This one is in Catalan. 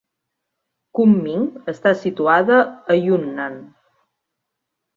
Kunming està situada a Yunnan.